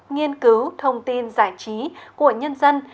nghiên cứu thông tin giải trí của nhân dân